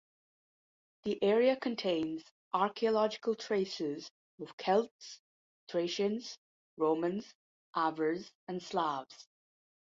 The area contains archaeological traces of Celts, Thracians, Romans, Avars and Slavs.